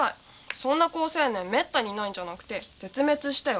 そんな好青年めったにいないんじゃなくて絶滅したよ